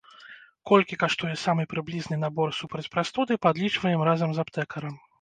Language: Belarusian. Колькі каштуе самы прыблізны набор супраць прастуды, падлічваем разам з аптэкарам.